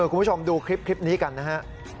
คุณผู้ชมดูคลิปนี้กันนะฮะ